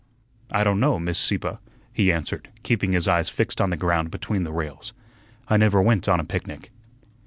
"I don' know, Miss Sieppe," he answered, keeping his eyes fixed on the ground between the rails. "I never went on a picnic."